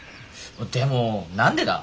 でも何でだ？